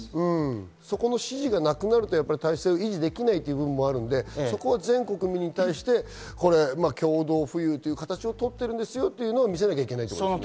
その指示がなくなると体制を維持できないということもあるので全国民に対して共同富裕という形をとっているんですよというのは見せなきゃいけ